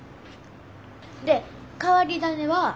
で変わり種は。